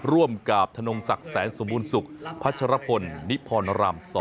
ร่วมกับธนงศักดิ์แสนสมบูรณสุขพัชรพลนิพรราม๒